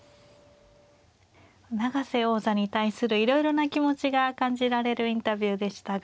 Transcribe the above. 永瀬王座に対するいろいろな気持ちが感じられるインタビューでしたが。